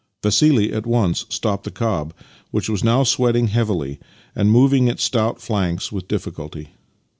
Vassili at once stopped the cob, which was now sweating heavily and moving its stout flanks with dif^culty.